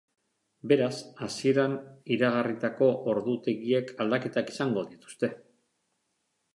Beraz, hasieran iragarritako ordutegiek aldaketak izango dituzte.